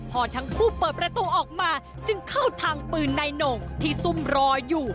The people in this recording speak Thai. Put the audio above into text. พอทั้งคู่เปิดประตูออกมาจึงเข้าทางปืนนายโหน่งที่ซุ่มรออยู่